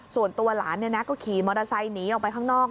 ส่วนตัวหลานก็ขี่มอเตอร์ไซค์หนีออกไปข้างนอก